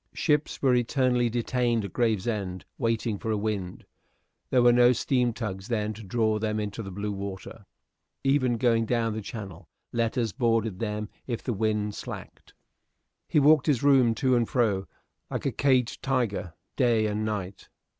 Ships were eternally detained at Gravesend waiting for a wind; there were no steam tugs then to draw them into blue water. Even going down the Channel, letters boarded them if the wind slacked. He walked his room to and fro, like a caged tiger, day and night.